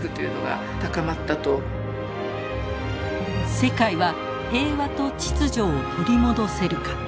世界は平和と秩序を取り戻せるか。